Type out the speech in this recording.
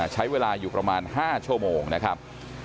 ใช้เวลาอยู่ประมาณ๕ชั่วโมงนะครับ